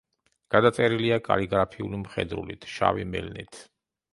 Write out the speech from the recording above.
გადაწერილია კალიგრაფიული მხედრულით, შავი მელნით.